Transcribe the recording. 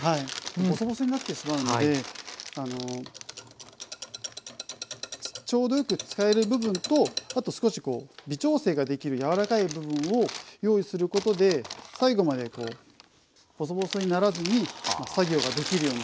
ボソボソになってしまうのでちょうどよく使える部分とあと少し微調整ができる柔らかい部分を用意することで最後までボソボソにならずに作業ができるように。